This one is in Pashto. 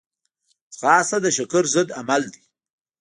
ځغاسته د شکر ضد عمل دی